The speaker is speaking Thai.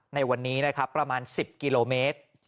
ในวันนี้นะครับประมาณ๑๐กิโลเมตร